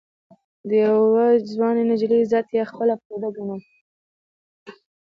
د يوې ځوانې نجلۍ عزت يې خپله پرده ګڼله.